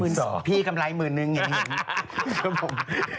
๑๒๐๐๐บาทพี่กำไร๑๑๐๐๐เหมือนเห็น